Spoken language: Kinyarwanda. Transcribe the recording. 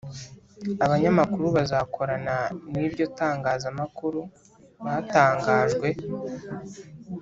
Abanyamakuru bazakorana niryo tangaza makuru batangajwe